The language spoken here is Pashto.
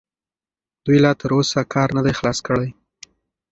دوی لا تراوسه کار نه دی خلاص کړی.